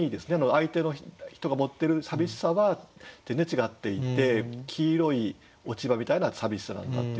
相手の人が持ってるさびしさは全然違っていて黄色い落ち葉みたいなさびしさだったっていうね。